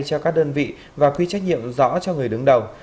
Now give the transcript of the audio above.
cho các đơn vị và quy trách nhiệm rõ cho người đứng đầu